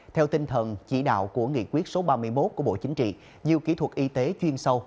theo tinh thần chỉ đạo của nghị quyết số ba mươi một của bộ chính trị nhiều kỹ thuật y tế chuyên sâu